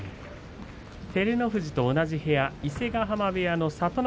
照ノ富士と同じ部屋伊勢ヶ濱部屋の聡ノ